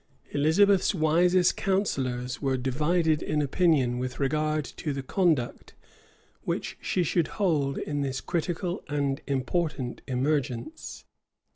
Elizabeth's wisest counsellors were divided in opinion with regard to the conduct which she should hold in this critical and important emergence.